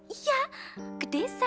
iya ke desa